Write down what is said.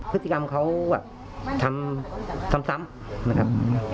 พฤติกรรมเขาทำซ้ำนะครับ